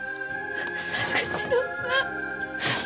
作次郎さん。